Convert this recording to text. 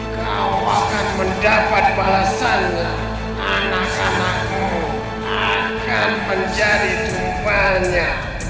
kau akan mendapat balasannya anak anakmu akan menjadi tumpanya